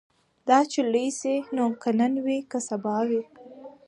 دا چي لوی سي نو که نن وي که سبا وي